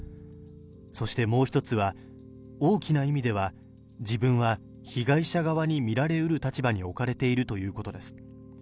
そしてもう１つは、大きな意味では、自分は被害者側に見られうる立場に置かれているということです。